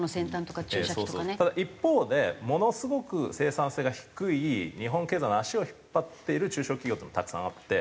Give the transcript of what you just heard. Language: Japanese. ただ一方でものすごく生産性が低い日本経済の足を引っ張っている中小企業っていうのもたくさんあって。